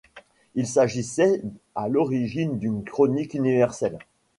Il s'agissait à l'origine d'une chronique universelle.